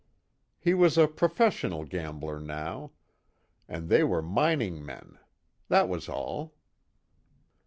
He was a professional gambler, now and they were mining men that was all.